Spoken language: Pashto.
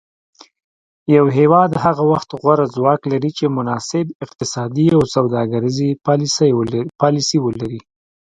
یو هیواد هغه وخت غوره ځواک لري چې مناسب اقتصادي او سوداګریزې پالیسي ولري